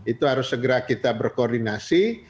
itu harus segera kita berkoordinasi